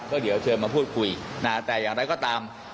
ก็เดี๋ยวเชิญมาพูดคุยนะแต่อย่างไรก็ตาม